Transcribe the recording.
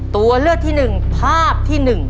ตัวเลือกที่๑ภาพที่๑